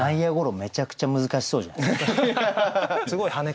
めちゃくちゃ難しそうじゃないですか？